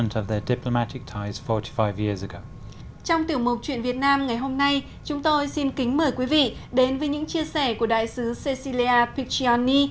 trong tiểu mục chuyện việt nam ngày hôm nay chúng tôi xin kính mời quý vị đến với những chia sẻ của đại sứ cecilia picani